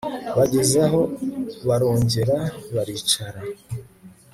bagezaho barongera baricara